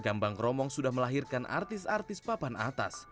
kambang kromong sudah melahirkan artis artis papan atas